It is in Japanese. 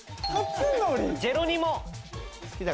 ジェロニモ。